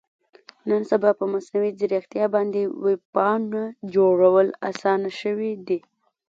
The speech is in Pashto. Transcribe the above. نن سبا په مصنوي ځیرکتیا باندې ویب پاڼه جوړول اسانه شوي دي.